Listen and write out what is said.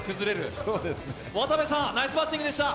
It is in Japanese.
渡部さん、ナイスバッティングでした。